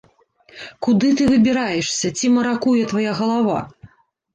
Куды ты выбіраешся, ці маракуе твая галава?